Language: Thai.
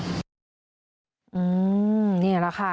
นี่แหละค่ะ